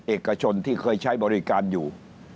เอกชนที่เคยใช้บริการอยู่